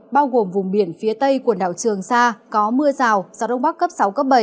bao gồm vùng biển phía tây quần đảo trường sa có mưa rào gió đông bắc cấp sáu cấp bảy